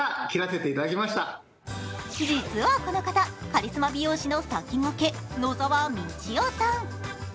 実はこの方、カリスマ美容師のさきがけ、野沢道生さん。